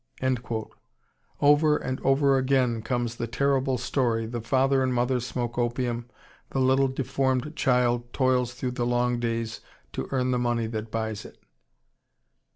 Over and over again comes the terrible story, the father and mother smoke opium; the little deformed child toils through the long days to earn the money that buys it.